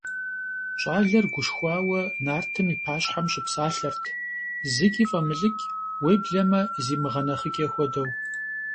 ЩӀалэр гушхуауэ нартым и пащхьэм щыпсалъэрт, зыкӀи фӀэмылӀыкӀ, уеблэмэ зимыгъэнэхъыкӀэ хуэдэу.